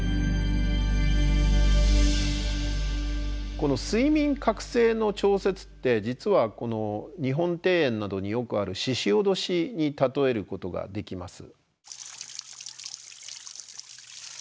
この睡眠覚醒の調節って実はこの日本庭園などによくあるししおどしに例えることができます。